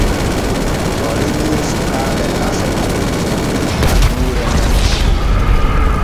O rimii sukaaɓe laso der gannuure ne.